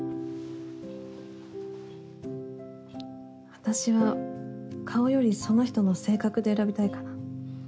私は顔よりその人の性格で選びたいかな。